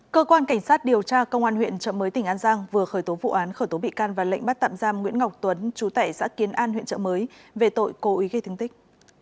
cơ quan cảnh sát điều tra công an huyện trợ mới tỉnh an giang vừa khởi tố vụ án khởi tố bị can và lệnh bắt tạm giam nguyễn ngọc tuấn chú tẻ giã kiến an huyện trợ mới về tội cố ý gây thương tích